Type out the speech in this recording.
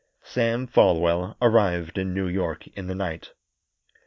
Sam Folwell arrived in New York in the night.